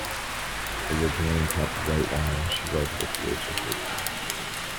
Originally entitled White Wine, she wrote it at the age of thirteen.